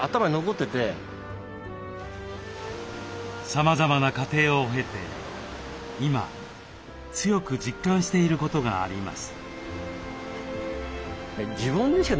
さまざまな過程を経て今強く実感していることがあります。